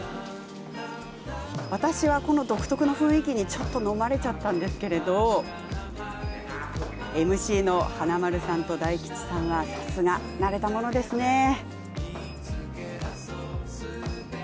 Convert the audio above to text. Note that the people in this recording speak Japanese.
私は独特の雰囲気に、ちょっとのまれちゃったんですけれどＭＣの大吉さんと華丸さんはさすが慣れたものですね。